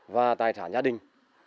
và tài sản nhà đình